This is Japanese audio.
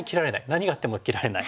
何があっても切られない。